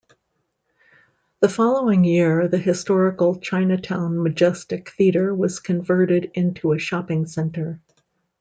The following year, the historical Chinatown Majestic Theatre was converted into a shopping centre.